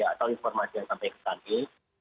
atau informasi yang sampai ke kami